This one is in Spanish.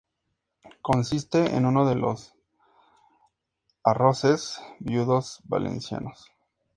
Consiste en uno de los arroces viudos valencianos.